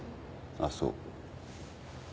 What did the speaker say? あっそう。